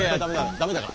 ダメだから。